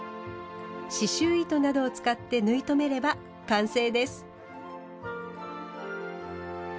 刺しゅう糸などを使って縫い留めれば完成です。